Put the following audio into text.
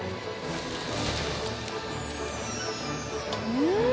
うん！